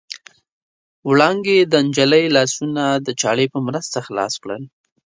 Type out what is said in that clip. وړانګې د نجلۍ لاسونه د چاړې په مرسته خلاص کړل.